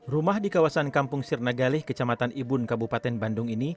rumah di kawasan kampung sirnagalih kecamatan ibun kabupaten bandung ini